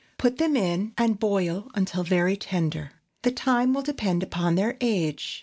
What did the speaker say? Put them in and boil until very tender. The time will depend upon their age.